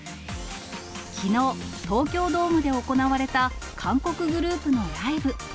きのう、東京ドームで行われた韓国グループのライブ。